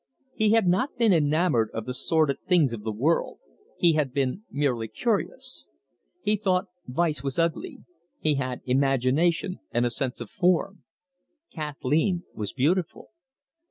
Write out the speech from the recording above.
He had not been enamoured of the sordid things of the world; he had been merely curious. He thought vice was ugly; he had imagination and a sense of form. Kathleen was beautiful.